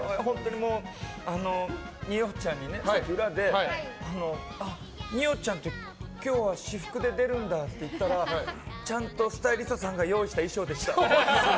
二葉ちゃんにさっき裏で、二葉ちゃんって今日は私服で出るんだって言ったらちゃんとスタイリストさんが用意した衣装でした。